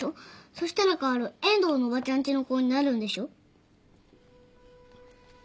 そしたら薫遠藤のおばちゃんちの子になるんでしょ？